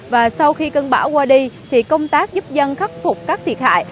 và sau khi cơn bão qua đi thì công tác giúp dân khắc phục các thiệt hại